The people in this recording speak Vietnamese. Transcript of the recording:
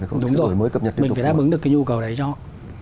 đúng rồi mình phải đáp ứng được cái nhu cầu đấy cho họ